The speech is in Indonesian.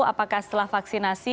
apakah setelah vaksinasi